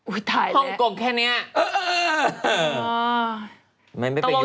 อุ๊ยตายแล้ว